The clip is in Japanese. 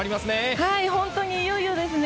本当にいよいよですね。